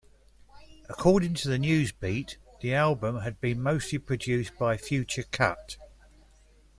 According to "Newsbeat", the album had been mostly produced by Future Cut.